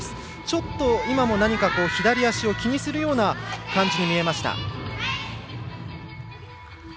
ちょっと今も左足を気にするような感じに見えました。